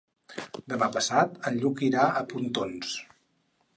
Demà passat en Lluc irà a Pontons.